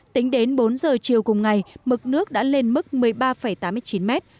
tính đến bốn giờ chiều cùng ngày mực nước đã lên mức một mươi ba tám mươi chín mét